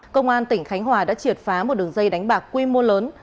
công an tỉnh khánh hòa đã triệt phá một đường dây đánh bạc quy mô lớn